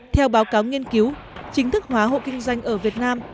theo báo cáo nghiên cứu chính thức hóa hộ kinh doanh ở việt nam